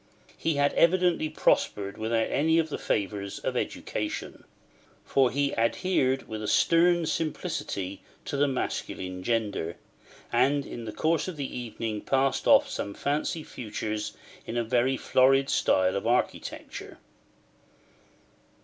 He had evidently prospered without any of the favours of education; for he adhered with stern simplicity to the masculine gender, and in the course of the evening passed off some fancy futures in a very florid style of architecture.